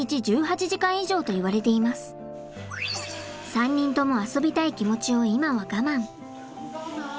３人とも遊びたい気持ちを今は我慢。